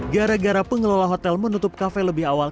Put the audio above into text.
gara gara pengelola hotel menutup kafe lebih awal